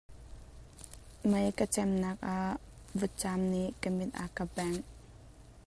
Mei ka chemnak ah vutcam nih ka mit a ka bangh.